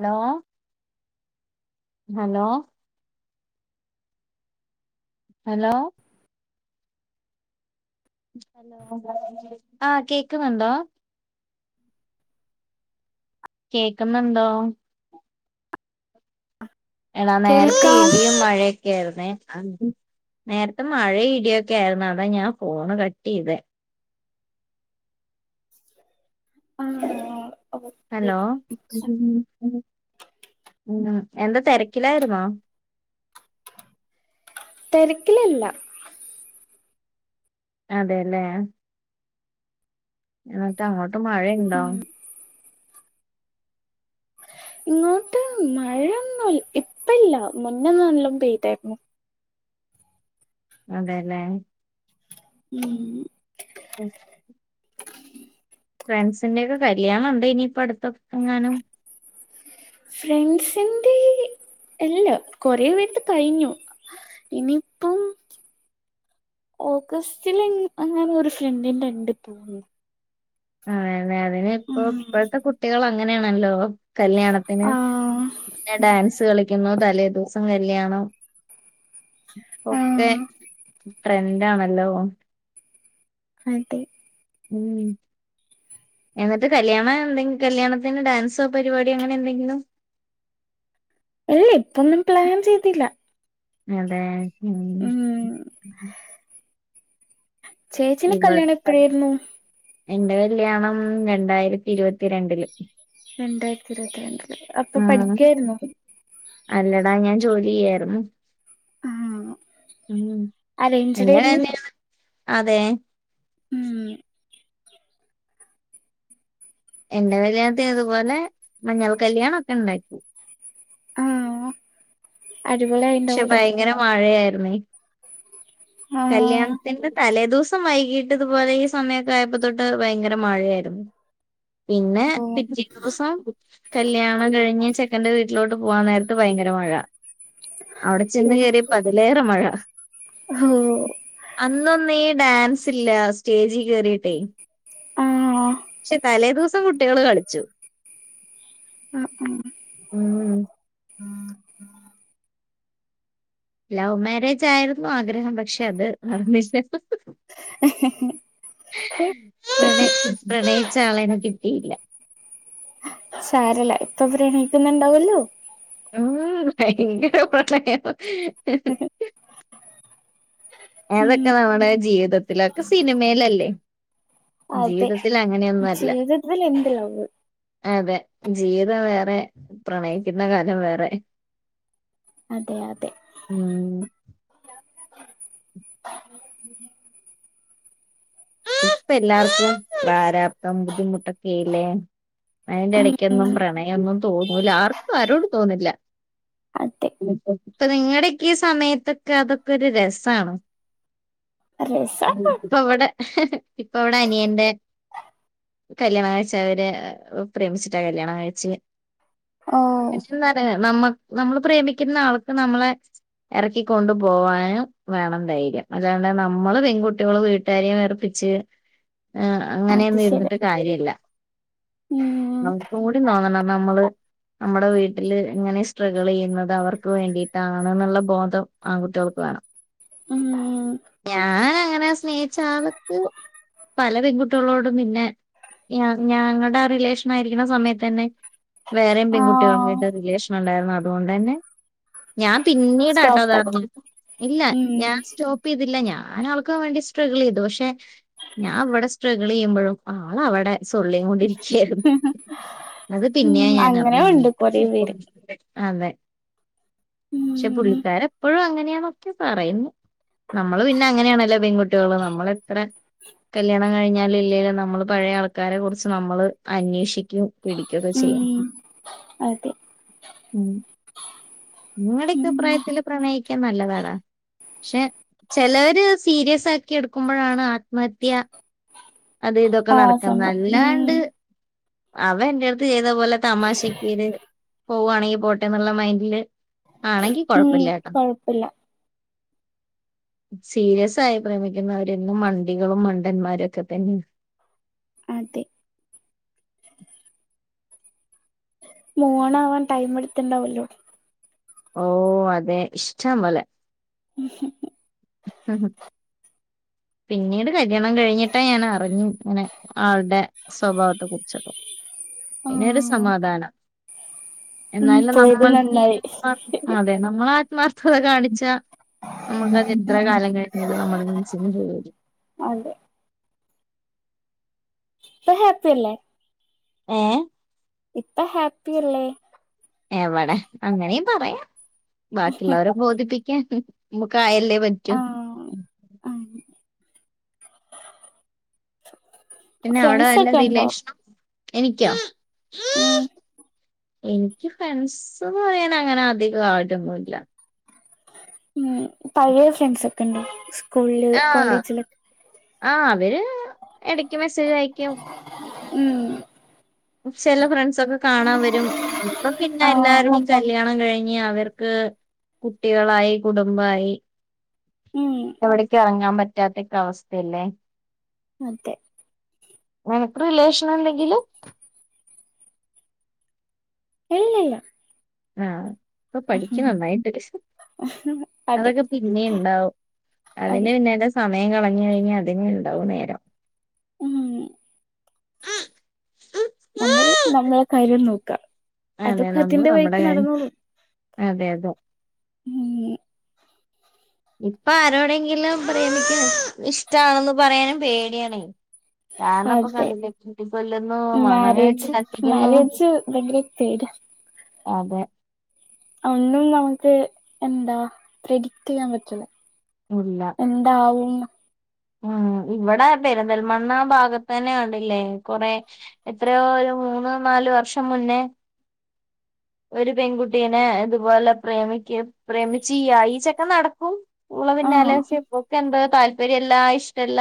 Hello hello hello ആ കേക്കുന്നുണ്ടോ കേക്കുന്നുണ്ടോ എടാ നേരത്തെ കേൾക്കാം ഇടിയും മഴയ ക്കെയായിരുന്നേ നേരത്തെ മഴ ഇടിയൊക്കെ ആയിരുന്ന് അതാ ഞാൻ ഫോണ് കട്ട് ചെയ്ത് ആ ഹലോ എന്താ തിരക്കിലായിരുന്നോ തിരക്കിലല്ല അതെല്ലേ എന്നിട്ട് അങ്ങോട്ട് മഴയുണ്ടോ ഉം ഇങ്ങോട്ട് മഴ ഒന്നും ഇപ്പല്ല മുന്നെ നല്ലും പെയ്തായിരുന്നു അതെലേ ഉം എ ഫ്രണ്ട്സിന്റെയ ഒക്കെ കല്യാണം ഉണ്ടോ ഇനിയിപ്പ അടുത്ത എങ്ങാനും ഫ്രണ്ട്സിന്റെ ഇല്ല കൊറേ പേര്തെ കഴിഞ്ഞു ഇനിയിപ്പം ഓഗസ്റ്റില് എങ്ങാനും ഒരു ഫ്രണ്ടിന്റെ ണ്ട് തോന്നുന്നു അതെ അതെ അതിന് ഇപ്പോ ഉം ഇപ്പോഴത്തെ കുട്ടികൾ അങ്ങനെയാണല്ലോ കല്യാണത്തിന് ആഹ് ഡാൻസ് കളിക്കുന്നു തലേദിവസം കല്യാണം ഒക്കെ ആഹ് ട്രെൻഡ് ആണല്ലോ അതെ ഉം എന്നിട്ട് കല്യാണ എന്തെങ്ക കല്യാണത്തിന് ഡാൻസോ പരിപാടിയോ അങ്ങനെ എന്തെങ്കിലും അല്ല ഇപ്പൊന്നും പ്ലാൻ ചെയ്തില്ല അതെ ഉം ചേച്ചിന്റെ കല്യാണം ഇവിത്തെ എപ്പഴായിരുന്നു എന്റെ കല്യാണം രണ്ടായിരത്തി ഇരുപത്തിരണ്ടില് രണ്ടായിരത്തി ഇരുപത്തിരണ്ടില് അപ്പൊ ഉം പഠിക്കായിരുന്നു അല്ലടാ ഞാൻ ജോലി ചെയ്യായിരുന്നു ആഹ് ഉം അറേഞ്ച്ഡ് പിന്നെ ആയിരുന്നു തന്നെയ അതെ ഉം എന്റെ കല്യാണത്തിന് ഇതുപോലെ മഞ്ഞൾ കല്യാണം ഒക്കെ ഉണ്ടായി ആഹ് അടിപൊളി പക്ഷെ ആയിണ്ടാവല്ലോ ഭയങ്കര മഴയായിരുന്നു ആഹ് കല്യാണത്തിന്റെ തലേദിവസ- ദിവസം വൈകിട്ട് ഇതുപോലെ ഈ സമയമൊക്കെ ആയപ്പോ തൊട്ട് ഭയങ്കര മഴയായിരുന്നു. പിന്നെ ഓഹ് പിറ്റേ ദിവസം കല്ല്യാണം കഴിഞ്ഞ് ചെക്കന്റെ വീട്ടിലോട്ട് പോവാൻ നേരത്ത് ഭയങ്കര മഴ അവിടെ ചെന്ന് ഓഹ് കയറി റിയപ്പോ അതിലേറെ മഴ അന്നൊന്നീ ഡാൻസില്ല സ്റ്റേജിൽ കേറിട്ടെ ആഹ് പക്ഷെ തലേ ദിവസം കുട്ടികള് കളിച്ചു ആഹ് ആഹ് ഉം ലവ് മാരേജ് ആയിരുന്നു ആഗ്രഹം പക്ഷെ അത് നടന്നില്ല പ്രണയി പ്രണയിച്ച ആളേനെ കിട്ടിയില്ല സാരല്ല ഇപ്പൊ പ്രണിക്കുന്നുണ്ടാവോല്ലോ ഉം ഭയങ്കര പ്രണയമാ ഏതൊക്കെ നമ്മുടെ ജീവിതത്തിലൊക്കെ സിനിമയിലല്ലേ അതെ ജീവിതത്തിൽ അങ്ങനെയൊന്നുംല്ല ജീവിതത്തിൽ എന്ത് ലവ് അതെ ജീവിതം വേറെ പ്രണയിക്കുന്ന കാലം വേറെ അതെ അതെ ഉം ഇപ്പ എല്ലാർക്കും പ്രാരാബ്ദം ബുദ്ധിമുട്ടൊക്കെ അല്ലേ അയിന്റെ ഉം എടയ്ക്കൊന്നും പ്രണയൊന്നും തോന്നൂല്ല ആർക്കും ആരോടും തോന്നുല്ല അതെ ഇപ്പൊ നിങ്ങളടെക്കെ ഈ സമയത്തൊക്കെ അതൊക്കെ ഒരു രസാണ് രസാണ് ഇപ്പ ഇവടെ ഇപ്പ ഇവടെ അനിയന്റെ കല്യാണം കഴിച്ച അവര് പ്രേമിച്ചിട്ടാ കല്യാണം കഴിച്ച് ഓഹ് [unintelligible] നമ്മ നമ്മള് പ്രേമിക്കുന്ന ആൾക്ക് നമ്മളെ എറക്കിക്കൊണ്ട് പോവാനും വേണം ധൈര്യം അല്ലാണ്ടെ നമ്മള് പെൺകുട്ടിയോള് വീട്ടുകാരെയും വെറു പ്പിച്ച് എഹ് അത് അങ്ങനെയൊന്നും ശരി ഇരുന്നിട്ട് കാര്യല്ല ഉം അവർക്കും കൂടി തോന്നണം നമ്മള് നമ്മുടെ വീട്ടില് എങ്ങനെ സ് ട്രഗിൾ ചെയ്യുന്നത് അവർക്ക് വേണ്ടിയിട്ടാണ്ന്നുള്ള ബോധം ആൺകുട്ടികൾക്ക് വേണം. ഉം ഞാന് അങ്ങനെ സ്നേഹിച്ച ആൾക്ക് പല പെൺകുട്ടിയോളോടും പിന്നെ ഞ ഞങ്ങടെ ആ റിലേഷൻ ആയിരിക്ക്ണ സമയത്തന്നെ വേറെയും ആഹ് പെൺകുട്ടികളായിട്ട് റിലേഷൻ ഉണ്ടായിരുന്നു അതുകൊണ്ട് തന്നെ ഞാൻ പിന്നീടാട്ടോ സ്റ്റോപ്പാക്കി അതറിഞ്ഞ് ഇല്ല ഉം ഞാൻ സ്റ്റോ പ്പിതില്ല ഞാൻ ആൾക്ക്‌ വേണ്ടി സ്ട്രഗിൾ ചെയ്തു പക്ഷെ ഞാൻ വ്ടെ സ്ട്രഗിൾ ചെയ്യുമ്പോഴും ആൾ അവടെ സൊല്ലിങ്ങോണ്ടിരിക്കയായിരുന്നു അത് ഉം പിന്നെയാ ഞാൻ അങ്ങനെ അറിഞ്ഞേ. ഉണ്ട് കൊറേ പേര് അതെ പക്ഷെ ഉം പുള്ളിക്കാരൻ ഇപ്പൊഴും അങ്ങനെയാണ് ന്നൊക്കെ പറയ്ന്നു നമ്മള് പിന്നെ അങ്ങനെയാണല്ലോ പെൺകുട്ടികള് നമ്മൾ എത്രെ കല്യാണം കഴിഞ്ഞാലും ഇല്ലേലും നമ്മള് പഴേ ആൾക്കാരെ കുറിച്ച് നമ്മള് അന്വേഷിക്കും പിടിക്കൊക്കെ ചെയ്യും ഉം അതെ ഉം നിങ്ങടെക്കെ ഉം പ്രായത്തിൽ പ്രണയിക്കാൻ നല്ലതാടാ പക്ഷെ ചെലര് സീരിയസ് ആക്കി എടുക്കുമ്പോഴാണ് ആത്മഹത്യ അതും ഇതൊക്കെ ആഹ് നടക്ക്ന്ന് സ്വന്തം ഉം അല്ലാണ്ട് അവൻ എന്റെ അടുത്ത് ചെയ്ത പോലെ തമാശിക്കിര് പോവാണെങ്കി പോട്ടെ എന്നുള്ള മൈന്ഡില് ആണെങ്കി ഉം കൊഴപ്പല്ല്യ ട്ടോ കൊഴപ്പില്ല സീരിയസ് ആയി പ്രേമിക്കുന്നവരെന്നും മണ്ടികളും മണ്ടന്മാരും ഒക്കെ തന്നെ അതെ മൂവോൺ ആവാൻ ടൈം എടുത്ത്ണ്ടാവൊല്ലോ ഓ അതെ ഇഷ്റ്റം പോലെ പിന്നീട് കല്യാണം കഴിഞ്ഞിട്ടാ ഞാൻ അറിഞ്ഞു ഇങ്ങനെ ആൾടെ സ്വഭാവത്തെ കുറിച്ചൊക്കെ പിന്നെരു ആഹ് സമാധാനം ഉം എന്നാലും പോയത് നമ്മൾക്കി നന്നായി [unintelligible] അതെ നമ്മൾ ആത്മാർത്ഥത കാണിച്ച നമുക്കത് എത്ര കാലം കഴിഞ്ഞത് നമ്മുടെ മനസ്സിന് പോവു [unintelligible] അതെ ഇപ്പ ഹാപ്പി അല്ലെ ഏഹ് ഇപ്പ ഹാപ്പിയല്ലേ എവടെ അങ്ങനേം പറയാം ബാക്കിയുള്ളവരെ ബോധിപ്പിക്കാൻ നമുക്കായല്ലേ പറ്റൂ ആഹ് ആഹ് പിന്നെ അവടെ ഫ്രണ്ട്സ് വല്ല ഒക്കെ ഉണ്ടോ റിലേഷനും എനിക്കൊ ഉം എനിക്ക് ഫ്രണ്ട്സ്ന്ന് പറയാൻ അങ്ങനെ അധികം ആരും ഒന്നുല്ല ഉം പഴേ ഫ്രണ്ട്സൊക്കെണ്ടോ സ്കൂളില് ആഹ് കോളേജിലെക്കെ ആഹ് അവര് എടക്ക് മെസ്സേജ് അയക്കും ഉം ചെല ഫ്രണ്ട്സ് സൊക്കെ കാണാൻ വരും ഇപ്പൊ പിന്നെ ആഹ് എല്ലാരും കല്യാണം കഴിഞ്ഞ് അവർക്ക് കുട്ടികളായി കുടുംബയി ഉം എവിടേക്കും എറങ്ങാൻ പറ്റ് റ്റാത്തക്കെ അവസ്ഥയല്ലേ അതെ നിനക്ക് റിലേഷൻ എന്തെങ്കിലും ഇല്ലില്ല ആ ഇപ്പൊ പഠിക്ക് നന്നായിട്ട് അതെ അതൊക്കെ പിന്നെയും ഉണ്ടാവും അതിന്റെ അതെ പിന്നാലെ സമയം കളഞ്ഞു കഴിഞ്ഞാൽ അതിനെ ഉണ്ടാവു നേരം [unintelligible] നമ്മൾ നമ്മളെ കാര്യം നോക്കാം അതെ അതൊക്കെ നമ്മള് അതിന്റെ നമ്മുടെ വഴിക്ക് കാര്യം നടന്നോളൂ അതെ അതെ ഉം ഇപ്പൊ ആരോടെങ്കിലും പ്രേമക്ക് ഇഷ്ടമാണെന്ന് പറയാനും പേടിയണ കാരണം ഇപ്പൊ അതെ കണ്ടില്ലേ കുത്തിക്കൊല്ലുന്നു മണ്ണെണ്ണ ഒഴിച്ച് കത്തിക്കുന്നു പേട്യാ അതെ ഒന്നും നമുക്ക് എന്താ പ്രഡിക്ട് ചെയ്യാൻ പറ്റുള്ള ഉള്ള എന്താവും ഉം ഇവിടെ പെരിന്തൽമണ്ണ ഭാഗത്ത് തന്നെയാണല്ലേ കൊറെ എത്രയോ ഒരു മൂന്നോ നാാലു വർഷം മുന്നേ ഒരു പെൺകുട്ടി ഇതുപോലെ പ്രേമിക്ക് പ്രേമിച്ച്യ ഈച്ചക്കെ നടക്കും കൂള ആഹ് പിന്നാലെപ്പക്കെ എന്താ താല്പര്യ എല്ല ഇഷ്ടല്ല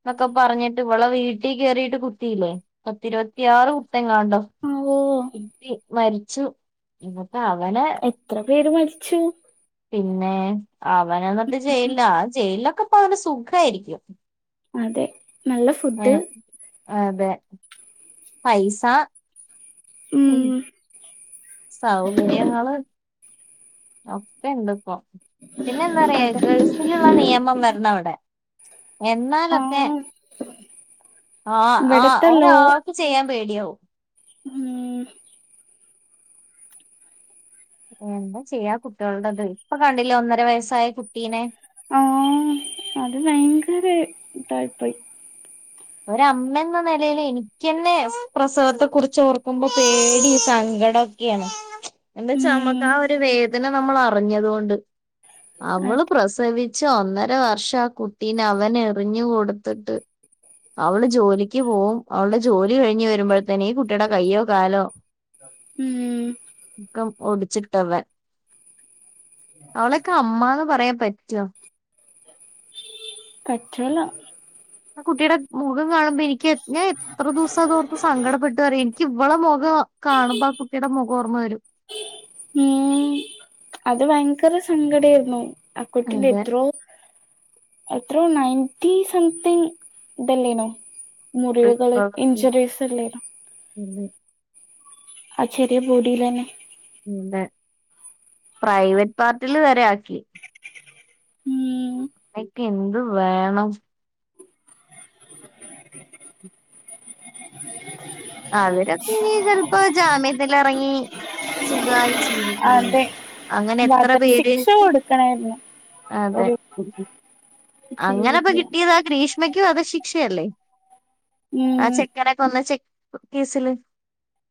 എന്നൊക്കെ പറഞ്ഞിട്ട് ഇവളെ വീട്ടിൽ കേയറിട്ട് കുത്തിയില്ലേ പത്തിരുപത്തിയാറ് എങ്ങണ്ടോ ഓ കുത്തി മരിച്ചു എന്നിട്ട് അവനെ എത്ര പേര് മരിച്ചു പിന്നെ അവന എന്നിട്ട് ജയിലാ ജയിലിലൊക്കെപ്പ അവന സുഖായിരിക്കും അതെ നല്ല ഫുഡ് ഉം അതെ പൈസ ഉം സൗകര്യങ്ങള് ഒക്കെ ഇണ്ട് ഇപ്പ പിന്നെ എന്താ പറയാ അതെ ഗൾസിലുള്ള നിയമം വരണം അവിടെ എന്നാലൊക്കെ ആഹ് ആ ആ ഇവിടത്തെല്ലോ ഒരാൾ ചെയ്യാൻ പേടിയാവവും ആ എന്താ ചെയ്യാ കുട്ടികളടത് ഇപ്പൊ കണ്ടില്ല ഒന്നര വയസ്സായ കുട്ടീനെ ആ അത് ഭയങ്കര തഴപ്പം ഒര അമ്മ എന്ന നിലൽ എനിക്കന്നെ പ്രസവത്തെ കുുറിച്ച് ഓർക്കുമ്പോ പേടി ഈ സങ്ക ക്കിയം എന്റെ ചമ്മക്ക് ഉം ആ ഒരു വേദന നമ്മൾ അറിഞ്ഞത്ണ്ട് അവള് അത് പ്രസവി പ ഒന്നര വർഷം ആ കുട്ടീന് അവൻ എറിഞ്ഞു കൊടുത്തിട്ട് അവള് ജോലിക്ക് പോകവും അവളുടെ ജോലി കഴിഞ്ഞ് വരുമ്പോഴത്തന്നെ ഈ കുട്ടിയുടെ കയ്യോ കാലോ ഉം [unintelligible] ഓടിച്ചിട്ടവൻ അവളൊക്കെ അമ്ന്ന് പറയാൻ പറ്റോ കച്ചല ആ കുട്ടിയുടെ മുഖം കാണുമ്പോ എനിക്ക് ഞാ എത്ര ദിവസം തോറും സങ്കടപ്പെട്ടു പറ എനിക്ക് ഇവളെ മുഖം കാണുമ്പോ ആ കുട്ടിയുടെ മുഖ ഓർമ്മ വരും ഉം അത് ഭയങ്കര സങ്കട ആയിരുന്നു [unintelligible] എത്രോ എത്രോ നയന്റ്റ സംതിങ് ഇതല്ലേനോ ഉ മുറിവുകള് ഇഞ്ചുറീസ് അല്ലേനോ ഉ ആ ചെറിയ ബോഡയില തന്നെ എന്ത പ്രൈവറ്റ് പാർട്ടില് വരെ ആക്കി ഉം എനിക്ക് എന്ത് വേണം അവര്പ്പീ ചിലപ്പോ ജാമ്യത്തി ഇറങ്ങി സുഖായി അതെ അങ്ങനെ എത്ര പേര്? വധശിക്ഷ കൊടുക്കണായിരുന്നു അതെ ഒരു അങ്ങനെ ഇപ്പൊ ചെയ്തിട്ടുണ്ട് കിട്ടിയത ഗ്രീഷ്മയ്ക്കും വധ ശിക്ഷയല്ലേ ആ ഉം ചെക്കനേക്കൊന്ന ചെക്ക് കേസില്.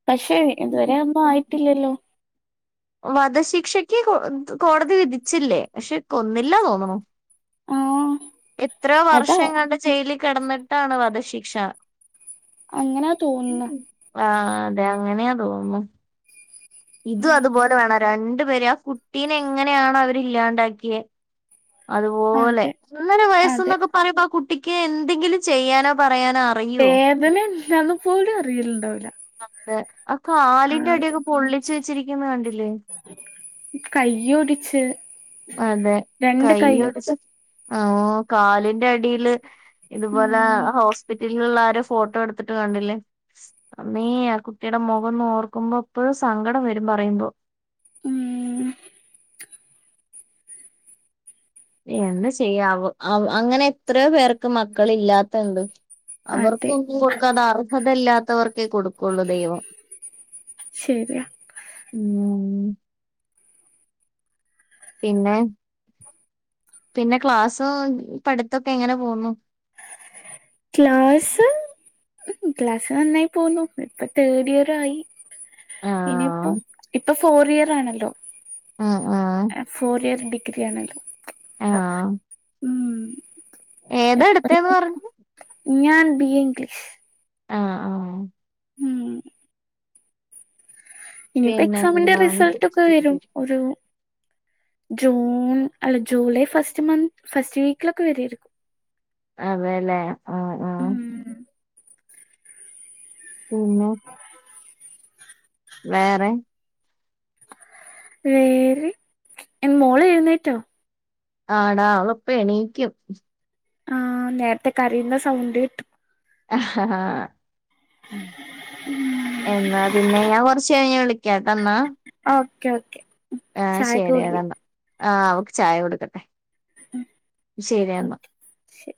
പക്ഷെ ഇതുവരെ ഒന്നും ആയിട്ടില്ലല്ലോ? വധശിക്ഷയ്ക്ക് കോടതി വിധിച്ചില്ലേ പക്ഷെ കൊന്നില്ല തോന്നണു ആഹ് എത്രയോ അതാ വർഷം എങ്ങാണ്ട് ജയിലിൽ കിടന്നിട്ടാണ് വധശിക്ഷ. അങ്ങനാ തോന്നുന്നേ? ആഹാ അതെ അങ്ങനെയാ തോന്നുന്നു ഇതും ഉം അതുപോലെ വേണം രണ്ടു പേര ആ കുട്ടീനെ എങ്ങനെയാണോ അവരി ഇല്ലാണ്ടാക്കിയേ? അതുപോലെ അതെ ഒന്നര അതെ വയസ്സന്നൊക്കെ പറയുമ്പ ആ കുട്ടിക്ക് എന്തെങ്കിലും ചെയ്യാനോ പറയാനോ അറിയോ വേദന എന്തന്നന്ന് പോലും അറിയില്ലണ്ടാവില്ല. അതെ ആ കാലിന്റെ അട്യൊക്കെ പൊള്ളിച്ച് വെച്ചിരിക്കുന്ന കണ്ടില്ലേ? കയ്യോടിച്ച് അതെ കൈയൊടിച്ച് കാലിന്റെ അടിയില് ഇതുപോലെ ഉം ഹോസ്പിറ്റലിൽ ഉള്ള ആരോ ഫോട്ടോ എടുത്തിട്ട് കണ്ടില്ലേ? അമ്മീ ആ കുട്ടിയുടെ മുഖം നോർക്കുമ്പോ എപ്പ സങ്കടം വരും പറയുമ്പോ. ഉം എന്താ ചെയ്യാം അവ അങ്ങനെ എത്രയോ പേർക്ക് മക്കൾ ഇല്ലാത്തണ്ട്. അതെ അവർക്കൊന്നും കൊടുക്കാതെ അർഹത ഇല്ലാത്തവർക്കെ കൊടു കൊള്ള് ദൈവം ശരിയാ ഉം. പിന്നെ പിന്നെ ക്ലാസ് പഠിത്തൊക്കെ എങ്ങനെ പോന്നു? ക്ലാസ് ക്ലാസ്സ് നന്നായി പോന്നു ഇപ്പൊ തേഡ് ഇയർ ആയി ആഹ് ഇനിയിപ്പോ ഇപ്പൊ ഫോർ ഇയർ ആണല്ലോ? ആഹ് ആ ഫോർ ഇയർസ് ഡിഗ്രി ആണല്ലോ. അഹ്.. ഉം ഇപ്പൊ ഏതെടുത്തന്ന് പറഞ്ഞു ഞാൻ ബി എ ഇംഗ്ലീഷ്. ആഹ് ആഹ് ഉം ഇനിപ്പോ എക്സാമിന്റെ പിന്നെന്താ റിസൾട്ടൊ ക്കെ വരും ഒരു ജൂൺ അല്ല ജൂലൈ ഫസ്റ്റ് മന്ത് ഫസ്റ്റ് വീക്ക്ലൊക്കെ വരാരിക്കും. അതെല്ലേ ആഹ് ആ.. ഉം പിന്നെ? [unintelligible] വേറെ? വേറേ മോള് എഴുന്നേറ്റോ? ആടാ അവളിപ്പം എണീക്കും. ആഹ് നേരത്തെ കരിയുന്ന സൗണ്ട് കേട്ടു ആഹ്ഹ എന്നാ പിന്നെ ഞാൻ കൊറച്ച കഴിഞ്ഞ വിളി കേട്ടന്ന ആ ഓക്കെ ഓക്കെ ചായ ഒക്കെ ശരിയെടാ കുടിക്- എന്നാ ആഹ് അവക്ക് ചായ കൊടുക്കട്ടെ ശരിയെന്നാ ശര്